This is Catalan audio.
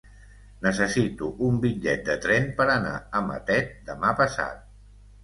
Necessito un bitllet de tren per anar a Matet demà passat.